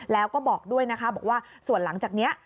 แล้วก็บอกด้วยนะคะบอกว่าส่วนหลังจากนี้